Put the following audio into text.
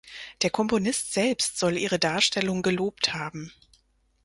Der Komponist selbst soll ihre Darstellung gelobt haben.